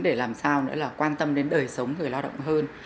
để làm sao quan tâm đến đời sống người lao động hơn